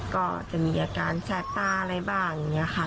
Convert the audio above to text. ก็จะมีอาการแสบตาอะไรบ้างอย่างนี้ค่ะ